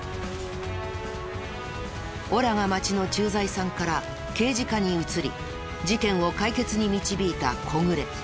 オラが町の駐在さんから刑事課に移り事件を解決に導いた小暮。